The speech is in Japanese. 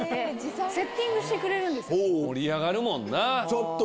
盛り上がるもんな。